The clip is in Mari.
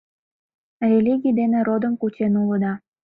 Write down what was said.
Религий дене родым кучен улыда...